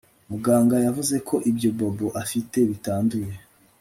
Muganga yavuze ko ibyo Bobo afite bitanduye